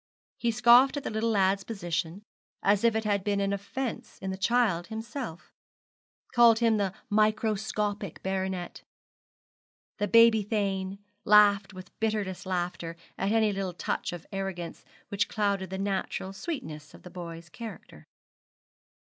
He scoffed at the little lad's position, as if it had been an offence in the child himself called him the microscopic baronet, the baby thane, laughed with bitterest laughter at any little touch of arrogance which clouded the natural sweetness of the boy's character.